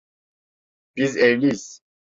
Biz evliyiz.